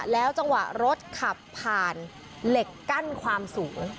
แล้วจังหวะรถขับผ่านเหล็กกั้นความสูง